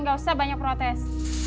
gak usah banyak protes